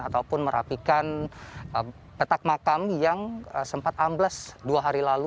ataupun merapikan petak makam yang sempat ambles dua hari lalu